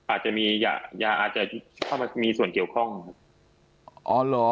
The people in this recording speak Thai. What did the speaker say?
อาจจะมียายาอาจจะเข้ามีส่วนเกี่ยวข้องกันครับ